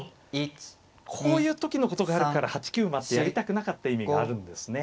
こういう時のことがあるから８九馬ってやりたくなかった意味があるんですね。